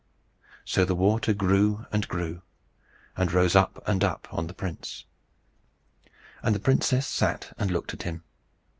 So the water grew and grew, and rose up and up on the prince. And the princess sat and looked at him.